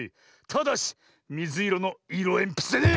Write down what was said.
ただしみずいろのいろえんぴつでね！